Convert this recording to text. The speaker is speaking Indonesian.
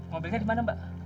mobilnya di mana mbak